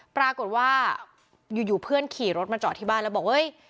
ปรากฏว่าอยู่เพื่อนขี่รถมาจอดที่บ้านแล้วบอกเฮ้ย